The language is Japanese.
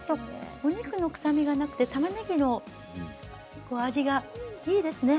お肉の臭みがなくて、たまねぎの味がいいですね。